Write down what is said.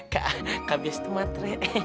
kak bias itu matre